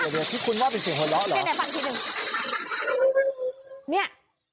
เดี๋ยวที่คุณว่าเป็นเสียงหัวเราะเหรอฟังทีนึง